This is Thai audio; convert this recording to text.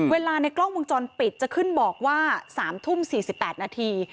ในกล้องวงจรปิดจะขึ้นบอกว่า๓ทุ่ม๔๘นาที